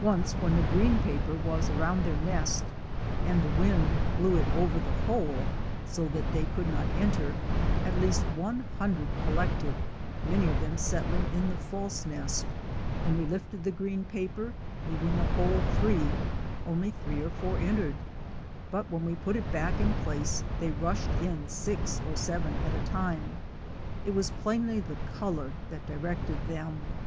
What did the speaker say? Once when the green paper was around their nest, and the wind WASPS, SOCIAL AND SOLITARY blew it over the hole so that they could not enter, at least one hundred collected, many of them settling in the false nest; when we lifted the green paper, leaving the hole free, only three or four entered, but when we put it back in place they rushed in six or seven at a time. It was plainly the color that directed them.